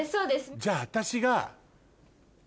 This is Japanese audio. じゃ私が。